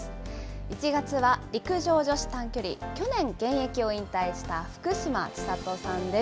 １月は陸上女子短距離、去年、現役を引退した福島千里さんです。